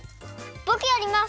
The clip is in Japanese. ぼくやります！